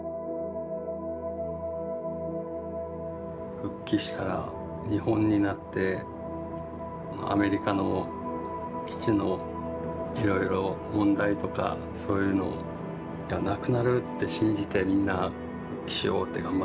復帰したら日本になってアメリカの基地のいろいろ問題とかそういうのがなくなるって信じてみんな復帰しようって頑張ったんですよ。